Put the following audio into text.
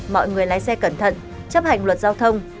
mọi người lái xe cẩn thận chấp hành luật giao thông